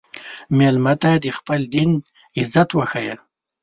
مېلمه ته د خپل دین عزت وښیه.